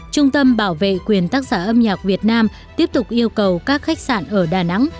trung tâm bảo vệ quyền tác giả âm nhạc việt nam tiếp tục yêu cầu các khách sạn ở đà nẵng